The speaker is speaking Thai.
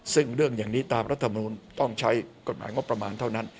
ซึ่งเรื่องอย่างนี้ตามรัฐมนูลต้องใช้กฎหมายงบประมาณเท่านั้น